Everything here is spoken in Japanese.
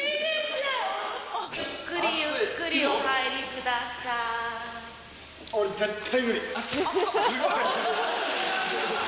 ゆっくりゆっくりお入りくだ俺、絶対無理。